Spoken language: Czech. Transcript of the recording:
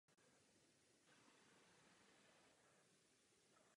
Je to bolavá otázka.